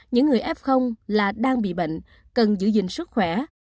những người f là đang bị bệnh cần giữ gìn sức khỏe